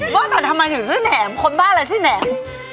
บ้านโตดธไมนถึงชื่อแหนมคนบ้านเลยชื่อนแหนม